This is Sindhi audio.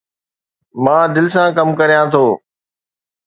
مان دل سان ڪم ڪريان ٿو